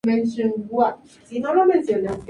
El libro tiene una pluma sincera, cruda y amorosa.